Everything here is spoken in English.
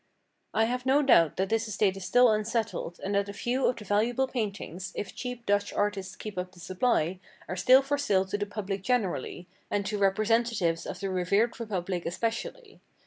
I have no doubt that this estate is still unsettled, and that a few of the valuable paintings, if cheap Dutch artists keep up the supply, are still for sale to the public generally, and to representatives of the revered republic especially.